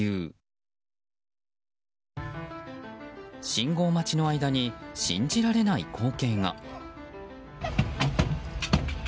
信号待ちの間に信じられない光景が。